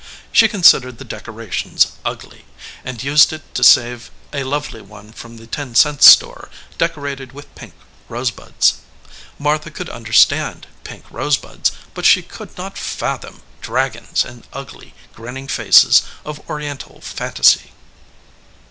She con sidered the decorations ugly, and used it to save a lovely one from the ten cent store, decorated with pink rosebuds. Martha could understand pink rosebuds, but she could not fathom dragons and ugly, grinning faces of Oriental fancy.